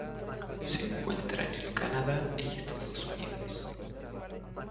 Se encuentra en el Canadá y Estados Unidos.